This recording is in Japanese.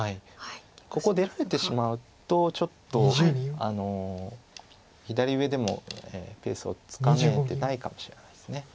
ここ出られてしまうとちょっと左上でもペースをつかめてないかもしれないです。